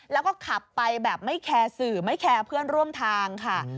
แล้วก็ขับไปแบบไม่แคร์สื่อไม่แคร์เพื่อนร่วมทางค่ะ